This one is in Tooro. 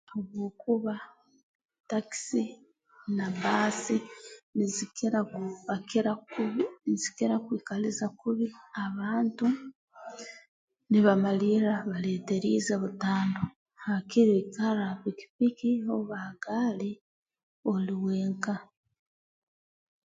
Habwokuba takisi na bbaasi nizikira kupakira kubi nzikira kwikaliza kubi abantu nibamalirra baleeteriize butandwa haakire oikarra ha pikipiki oba ha gaali oli wenka